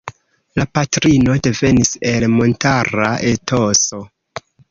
La patrino devenis el montara etoso.